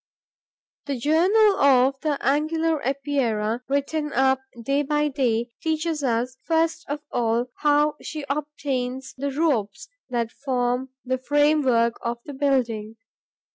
The journal of the Angular Epeira, written up day by day, teaches us, first of all, how she obtains the ropes that form the framework of the building.